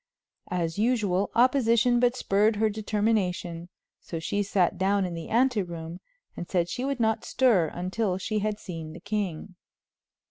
As usual, opposition but spurred her determination, so she sat down in the ante room and said she would not stir until she had seen the king.